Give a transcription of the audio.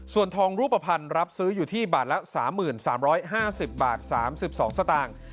ส่วนทองรูปภัณฑ์รับซื้ออยู่ที่บาทละ๓๓๕๐บาท๓๒สตางค์